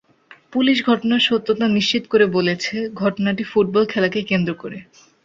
Police ঘটনার সত্যতা নিশ্চিত করে বলেছে, ঘটনাটি ফুটবল খেলাকে কেন্দ্র করে।